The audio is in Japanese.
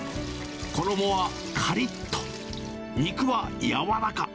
衣はかりっと、肉は柔らか。